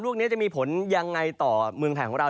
ลูกนี้จะมีผลยังไงต่อเมืองไทยของเรา